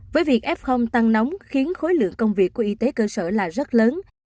với việc f tăng nóng khiến khối lượng công việc của y tế cơ sở là rất lớn